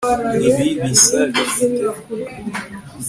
ibi bisa bite